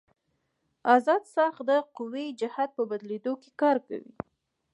ازاد څرخ د قوې جهت په بدلېدو کې کار کوي.